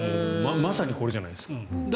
まさにこれじゃないですか。